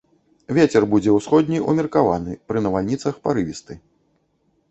Вецер будзе ўсходні ўмеркаваны, пры навальніцах парывісты.